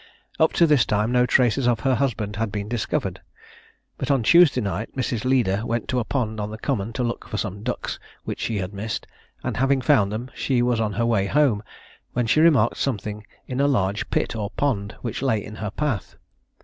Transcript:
Up to this time no traces of her husband had been discovered; but on Tuesday night Mrs. Leeder went to a pond on the common to look for some ducks, which she had missed, and having found them, she was on her way home, when she remarked something in a large pit or pond, which lay in her path.